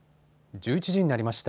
１１時になりました。